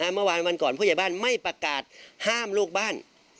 เมื่อวานวันก่อนผู้ใหญ่บ้านไม่ประกาศห้ามลูกบ้าน